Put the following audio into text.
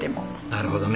なるほどね。